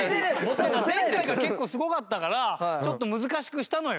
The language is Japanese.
前回が結構すごかったからちょっと難しくしたのよ。